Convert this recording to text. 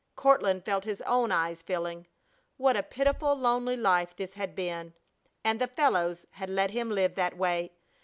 Courtland felt his own eyes filling. What a pitiful, lonely life this had been! And the fellows had let him live that way!